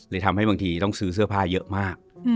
ทำให้บางทีต้องซื้อเสื้อผ้าเยอะมาก